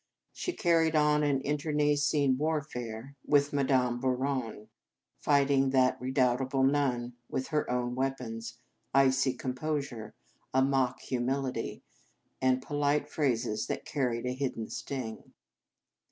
She carried on an internecine warfare with Madame 224 The Game of Love Bouron, fighting that redoubtable nun with her own weapons, icy com posure, a mock humility, and polite phrases that carried a hidden sting.